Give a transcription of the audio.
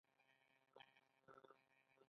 ستاسو ټول دلته حاضر یاست .